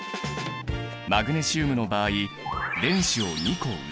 マグネシウムの場合電子を２個失う。